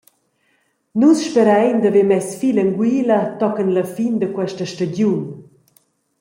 «Nus sperein da haver mess fil en guila tochen la fin da questa stagiun.